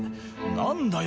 何だよ